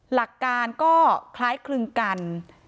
หลักการก็คล้ายคลึงกัน